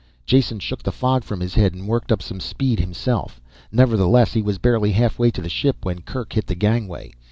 Jason shook the fog from his head and worked up some speed himself. Nevertheless, he was barely halfway to the ship when Kerk hit the gangway.